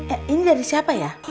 eh ini dari siapa ya